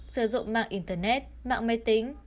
sử dụng mạng internet mạng máy tính